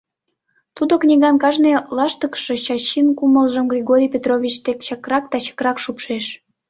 Тудо «книган» кажне лаштыкше Чачин кумылжым Григорий Петрович дек чакрак да чакрак шупшеш.